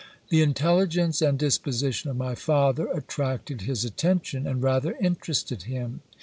The intelligence and disposition of my father attracted his attention, and rather interested him.